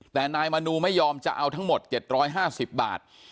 แต่นายมนูไม่ยอมจะเอาทั้งหมด๗๕๐บาท